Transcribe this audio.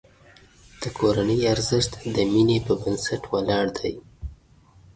د کورنۍ ارزښت د مینې په بنسټ ولاړ دی.